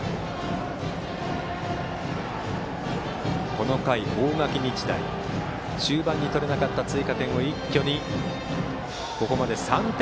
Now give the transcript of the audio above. この回、大垣日大中盤に取れなかった追加点を一挙にここまで３点。